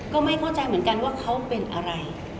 ก็ไม่เข้าใจเหมือนกันว่าเขาเป็นอะไร